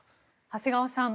長谷川さん